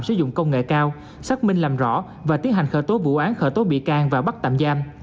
sử dụng công nghệ cao xác minh làm rõ và tiến hành khởi tố vụ án khởi tố bị can và bắt tạm giam